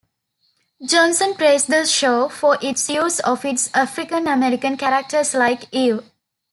Johnson praised the show for its use of its African American characters like Eve.